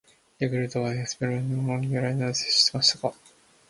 「ヤクルト」はエスペラント語が由来なんですよ！知ってましたか！！